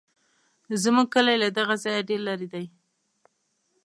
زموږ کلی له دغه ځایه ډېر لرې دی.